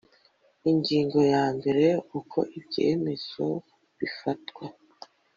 Ingingo ya mbere Uko ibyemezo bifatwa